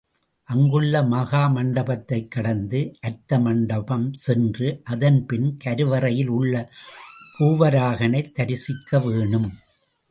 அங்குள்ள மகா மண்டபத்தைக் கடந்து, அர்த்த மண்டபம் சென்று, அதன் பின் கருவறையில் உள்ள பூவராகனைத் தரிசிக்க வேணும்.